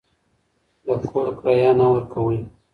د کور کرایه نه ورکوئ.